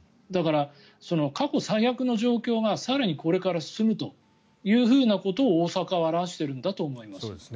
だから、過去最悪の状況が更にこれから進むということを大阪は表しているんだと思います。